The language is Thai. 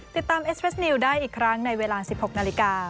เอสเฟสนิวได้อีกครั้งในเวลา๑๖นาฬิกา